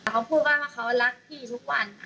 เขาพูดว่าว่าเขารักพี่ทุกวัน